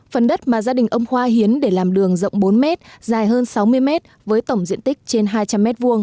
phần đất mà gia đình ông khoa hiến để làm đường rộng bốn mét dài hơn sáu mươi mét với tổng diện tích trên hai trăm linh m hai